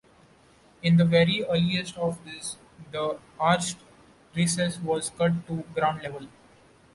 In the very earliest of these, the arched recess was cut to ground level.